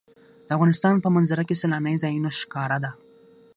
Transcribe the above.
د افغانستان په منظره کې سیلانی ځایونه ښکاره ده.